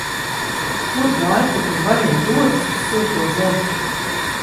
Kur gājputni bariem dodas un silto zemi?